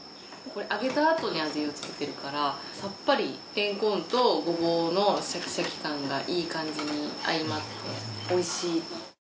揚げたあとに味をつけてるからさっぱりレンコンとごぼうのシャキシャキ感がいい感じに相まっておいしい。